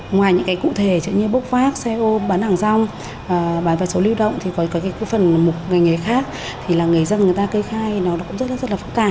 ngoài những cái cụ thể như bốc vác xe ôm bán hàng rong bán vật số lưu động thì có cái phần một ngành nghề khác thì là nghề dân người ta cây khai nó cũng rất là phức tạp